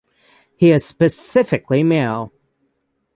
He is specifically male.